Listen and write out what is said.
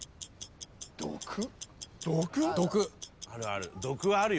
あるある。